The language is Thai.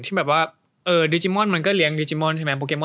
ที่แบบว่าเออดิจิมมอนมันก็เลี้ยงดิจิมมอนใช่ไหม